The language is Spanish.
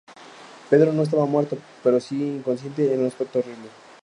Pedro no estaba muerto pero si inconsciente, con un aspecto horrible.